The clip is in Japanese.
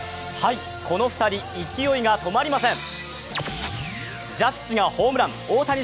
この２人、勢いが止まりません。